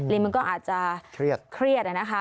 มันก็อาจจะเครียดนะคะ